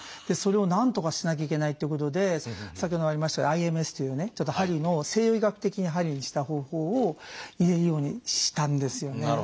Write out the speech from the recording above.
それをなんとかしなきゃいけないっていうことで先ほどもありましたがＩＭＳっていうねちょっと鍼の西洋医学的に鍼にした方法を入れるようにしたんですよね。